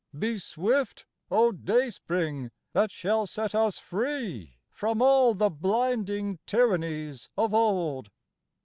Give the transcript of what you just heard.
Be swift, O day spring that shall set us free From all the blinding tyrannies of old!